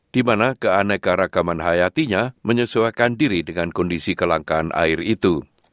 di mana keanekaragaman hayatinya menyesuaikan diri dengan kondisi kelangkaan air itu